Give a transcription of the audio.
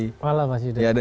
selamat malam mas yudha